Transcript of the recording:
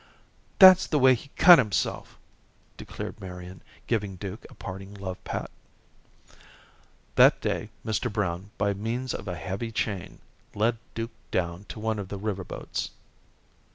"That's the way he cut himself," declared Marian, giving Duke a parting love pat. That day, Mr. Brown, by means of a heavy chain, led Duke down to one of the river boats.